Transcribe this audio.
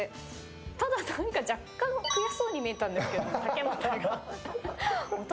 ただ、若干悔しそうに見えたんですけど竹俣が。